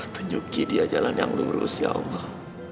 tunjuki dia jalan yang lurus ya allah